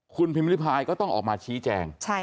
คุณพิมพิริพายก็ต้องออกมาชี้แจง